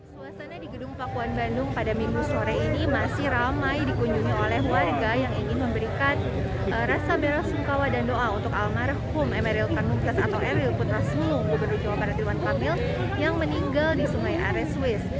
suasana di gedung pakuan bandung pada minggu sore ini masih ramai dikunjungi oleh warga yang ingin memberikan rasa berasungkawa dan doa untuk almarhum emeril penungkes atau emeril putrasmu gubernur jawa barat rewan kamil yang meninggal di sungai arezuis